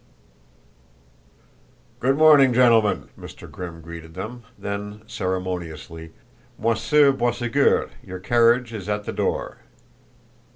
"Good morning, gentlemen!" Mr. Grimm greeted them, then ceremoniously: "Monsieur Boisségur, your carriage is at the door."